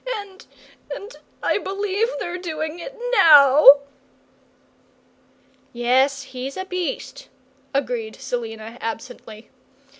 And and I b'lieve they're doing it now!" "Yes, he's a beast," agreed Selina, absently.